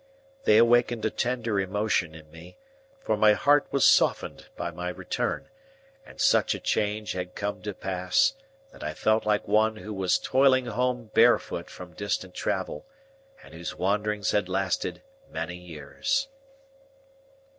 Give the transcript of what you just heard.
They awakened a tender emotion in me; for my heart was softened by my return, and such a change had come to pass, that I felt like one who was toiling home barefoot from distant travel, and whose wanderings had lasted many years.